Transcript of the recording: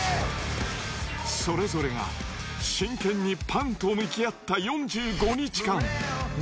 それぞれが真剣にパンと向き合った４５日間。